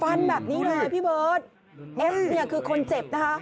ฟันแบบนี้เลยพี่เบิร์ตเอฟเนี่ยคือคนเจ็บนะคะ